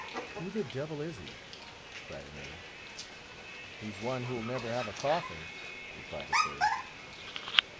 "Who the devil is he?" cried another. "He's one who'll never have a coffin!" replied a third.